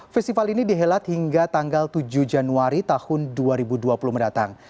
festival ini dihelat hingga tanggal tujuh januari tahun dua ribu dua puluh mendatang